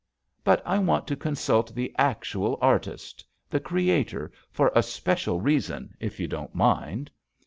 "But I want to consult the actual artist — the creator — for a special reason, if you don't mind."